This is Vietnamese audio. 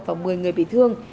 và một mươi người bị thương